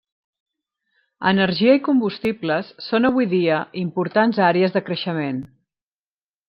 Energia i combustibles són avui dia importants àrees de creixement.